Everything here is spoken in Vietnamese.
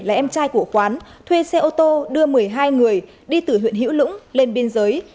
là em trai của quán thuê xe ô tô đưa một mươi hai người đi từ huyện hữu lũng lên biên giới